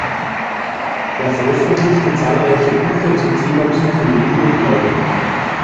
Er veröffentlichte zahlreiche Bücher zum Thema Psychologie und Glaube.